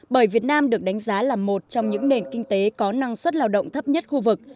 bởi việt nam được đánh giá là một trong những nền kinh tế có năng suất lao động thấp nhất khu vực